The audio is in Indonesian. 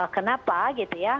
kenapa gitu ya